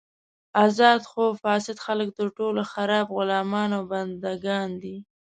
ازاد خو فاسد خلک تر ټولو خراب غلامان او بندګان دي.